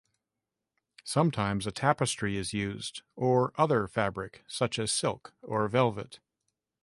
Sometimes a tapestry is used, or other fabric such as silk or velvet.